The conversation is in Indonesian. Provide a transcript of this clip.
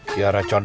terima kasih pak